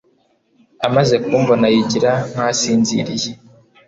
Amaze kumbona yigira nkasinziriye